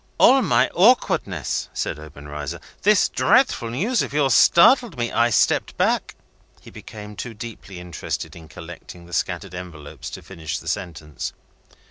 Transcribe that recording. "All my awkwardness," said Obenreizer. "This dreadful news of yours startled me; I stepped back " He became too deeply interested in collecting the scattered envelopes to finish the sentence.